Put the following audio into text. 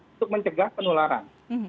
untuk mencegah penularan